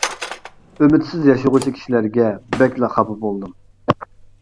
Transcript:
ئۈمىدسىز ياشىغۇچى كىشىلەرگە بەكلا خاپا بولدۇم.